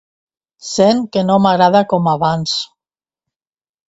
Sent que no m'agrada com abans.